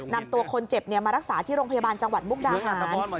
นำตัวคนเจ็บมารักษาที่โรงพยาบาลจังหวัดมุกดาหาร